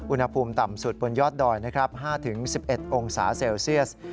อุณหภูมิต่ำสุดบนยอดดอย๕๑๑องศาเซลเซียส